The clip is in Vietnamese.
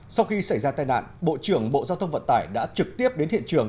sau khi xảy ra tai nạn bộ trưởng bộ giao thông vận tải đã trực tiếp đến hiện trường